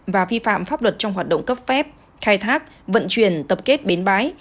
và vi phạm pháp luật trong hoạt động cấp phép khai thác vận chuyển tập kết bến bãi